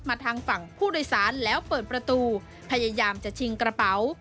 ทางฝั่งผู้โดยสารแล้วเปิดประตูพยายามจะชิงกระเป๋า